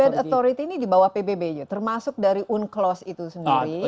nah cyber authority ini di bawah pbb ya termasuk dari unclos itu sendiri